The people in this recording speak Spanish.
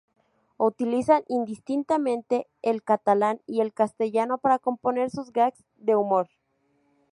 Utilizan indistintamente el catalán y el castellano para componer sus gags de humor.